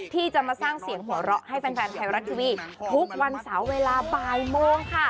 ที่จะมาสร้างเสียงหัวเราะให้แฟนไทยรัฐทีวีทุกวันเสาร์เวลาบ่ายโมงค่ะ